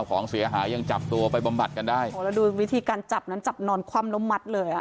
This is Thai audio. โหแล้วดูวิธีการจับนั้นจับหนอนความล้มมัดเลย